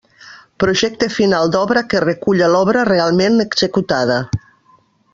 Projecte final d'obra que reculla l'obra realment executada.